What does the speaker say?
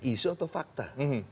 isu atau fakta